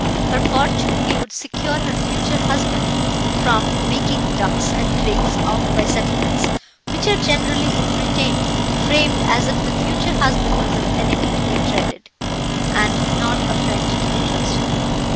Her fortune he would secure her future husband from making ducks and drakes of by settlements, which are generally in Britain framed as if the future husband was an enemy to be dreaded, and not a friend to be trusted.